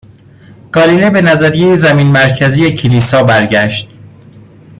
گالیله به نظریه زمین مرکزی کلیسا برگشت،